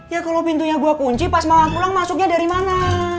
ya kalau pintunya gua kunci pas mau pulang masuknya dari mana